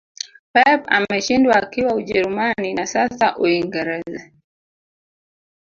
pep ameshindwa akiwa ujerumani na sasa uingereza